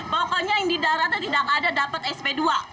pokoknya yang di daratan tidak ada dapat sp dua